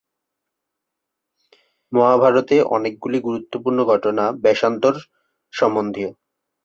মহাভারতে অনেকগুলি গুরুত্বপূর্ণ ঘটনা বেশান্তর-সম্বন্ধীয়।